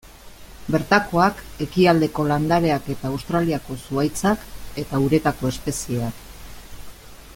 Bertakoak, ekialdeko landareak eta Australiako zuhaitzak, eta uretako espezieak.